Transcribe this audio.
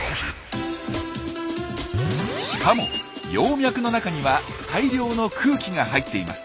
しかも葉脈の中には大量の空気が入っています。